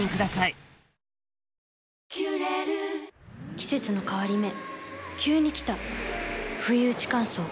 季節の変わり目急に来たふいうち乾燥。